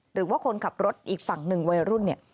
หรือว่าคนขับรถอีกฝั่งหนึ่งวัยรุ่นเนี่ย